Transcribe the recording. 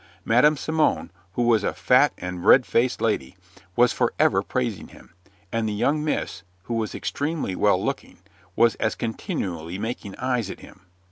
Madam Simon, who was a fat and red faced lady, was forever praising him, and the young miss, who was extremely well looking, was as continually making eyes at him.